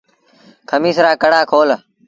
کميٚس رآ ڪڪڙآ کول۔